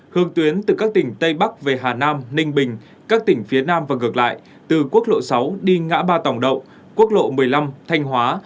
hướng tuyến từ các tỉnh tây bắc về hà nam ninh bình các tỉnh phía nam và ngược lại từ quốc lộ sáu đi ngã ba tổng đậu quốc lộ một mươi năm thanh hóa